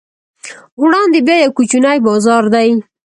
وړاندې بیا یو کوچنی بازار دی.